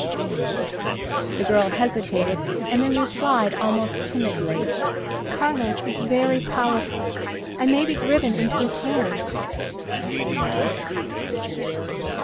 The girl hesitated, and then replied almost timidly: "Carlos is very powerful.... I may be driven into his hands."